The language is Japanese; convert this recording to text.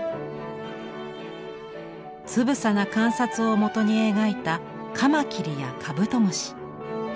つぶさな観察をもとに描いたカマキリやカブトムシ。